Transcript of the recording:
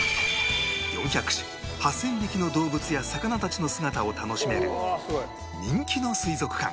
４００種８０００匹の動物や魚たちの姿を楽しめる人気の水族館